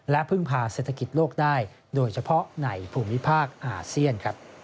และพึ่งพาเศรษฐกิจโลกได้โดยเฉพาะในภูมิภาคอาเซียน